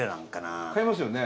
伊達：買いますよね。